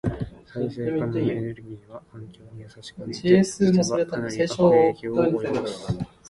再生可能エネルギーは環境に優しく見えて、実はかなり悪影響を及ぼす。